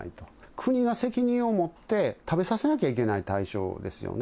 国が責任を持って食べさせなきゃいけない対象ですよね。